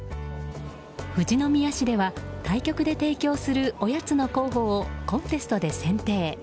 富士宮市では、対局で提供するおやつの候補をコンテストで選定。